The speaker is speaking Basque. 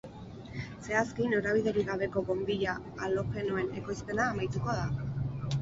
Zehazki, norabiderik gabeko bonbilla halogenoen ekoizpena amaituko da.